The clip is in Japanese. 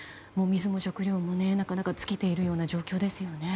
水も食料もなかなか尽きているような状況ですよね。